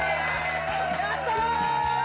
やったー！